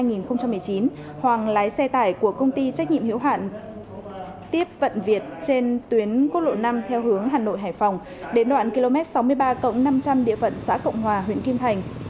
theo trạm vào khoảng sáu giờ sáng ngày hai mươi ba tháng bảy năm hai nghìn một mươi chín hoàng lái xe tải của công ty trách nhiệm hiếu hạn tiếp vận việt trên tuyến cốt lộ năm theo hướng hà nội hải phòng đến đoạn km sáu mươi ba cộng năm trăm linh địa phận xã cộng hòa huyện kim thành